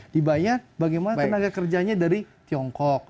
dibanyak bagaimana tenaga kerjanya dari tiongkok